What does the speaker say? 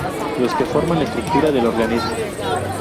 Los que forman la estructura del organismo.